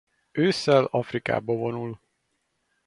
Ősszel Afrikába vonul.